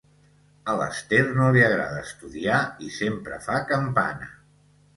A l'Ester no li agrada estudiar i sempre fa campana: